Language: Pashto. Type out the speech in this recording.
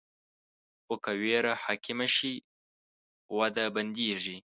خو که ویره حاکمه شي، وده بندېږي.